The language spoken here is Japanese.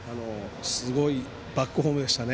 すごいバックホームでしたね。